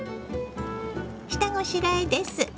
下ごしらえです。